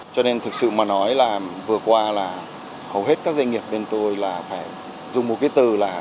cho nên thực sự mà nói là vừa qua là hầu hết các doanh nghiệp bên tôi là phải dùng một cái từ là